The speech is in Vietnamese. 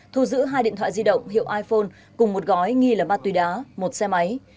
thu giữ hai điện thoại di động hiệu iphone cùng một gói nghi là ma túy đá một xe máy